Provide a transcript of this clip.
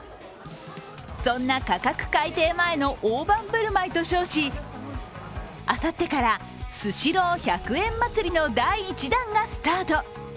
そんな価格改定前の大盤振る舞いと称しあさってからスシロー１００円祭の第一弾がスタート。